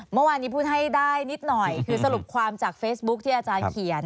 เมื่อวานนี้พูดให้ได้นิดหน่อยคือสรุปความจากเฟซบุ๊คที่อาจารย์เขียน